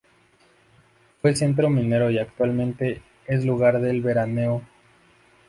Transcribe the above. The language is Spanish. Fue centro minero y actualmente es lugar de veraneo.